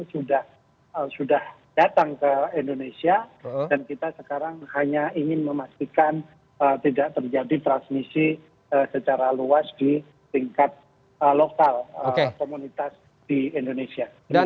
sudah datang ke indonesia dan kita sekarang hanya ingin memastikan tidak terjadi transmisi secara luas di tingkat lokal komunitas di indonesia